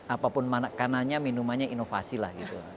apapun kanannya minumannya inovasi lah gitu